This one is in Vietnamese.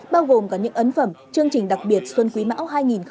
bao gồm cả những ấn phẩm chương trình đặc biệt xuân quý mão hai nghìn hai mươi ba